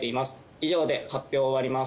以上で発表を終わります。